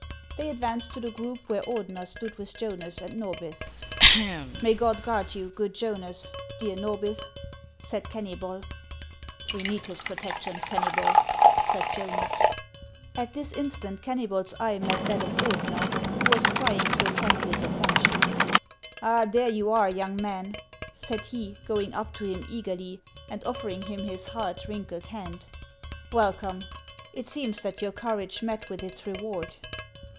They advanced to the group where Ordener stood with Jonas and Norbith. " May God guard you, good Jonas, dear Xorbith !" said Kennybol. " We need his protection, Kennybol," said Jonas. At this instant Kennybol's eye met that of Ordener, who was trying to attract his attention. " Ah ! there you are, young man," said he, going up to him eagerly and offering him his hard, wrinkled hand ;" welcome ! It seems that your courage met with its reward."